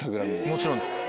もちろんです。